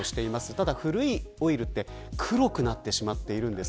ただ古いオイルは黒くなっているんです。